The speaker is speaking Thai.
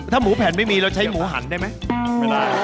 ถ้าหมูแผ่นไม่มีเราใช้หมูหันได้ไหมไม่ได้